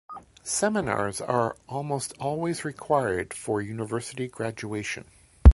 Seminars are almost always required for university graduation.